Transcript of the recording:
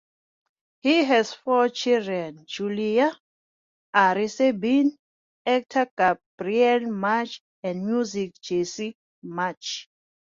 He has four children: Julie, Ari Serbin, actor Gabriel Macht and musician Jesse Macht.